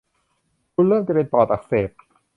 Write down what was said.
คุณเริ่มจะเป็นปอดอักเสบ